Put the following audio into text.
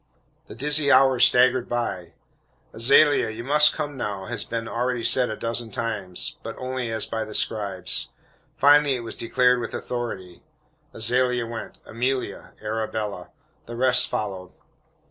The dizzy hours staggered by "Azalia, you must come now," had been already said a dozen times, but only as by the scribes. Finally it was declared with authority. Azalia went Amelia Arabella. The rest followed.